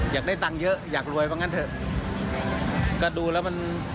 อยากได้ตังค์เยอะอยากรวยว่างั้นเถอะก็ดูแล้วมัน